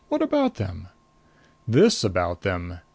"What about them?" "This about them.